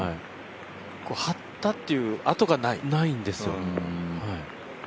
張ったっていうあとがないんですよ